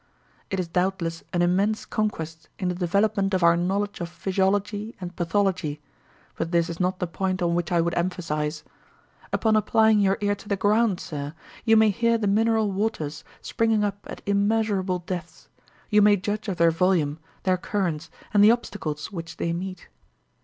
"It is doubtless an immense conquest in the development of our knowledge of physiology and pathology, but this is not the point on which I would emphasize. Upon applying your ear to the ground, sir, you may hear the mineral waters springing up at immeasurable depths; you may judge of their volume, their currents, and the obstacles which they meet!